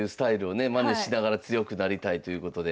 まねしながら強くなりたいということで。